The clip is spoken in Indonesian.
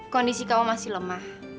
kondisi kamu masih lemah